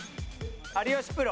有吉プロ。